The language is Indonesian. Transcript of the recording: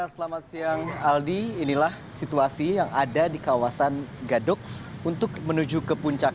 selamat siang aldi inilah situasi yang ada di kawasan gadok untuk menuju ke puncak